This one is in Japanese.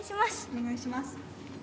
お願いします。